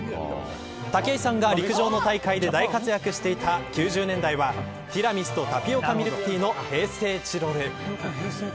武井さんが陸上の大会で大活躍していた９０年代は、ティラミスとタピオカミルクティーの平成チロル。